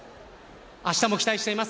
明日も期待しています。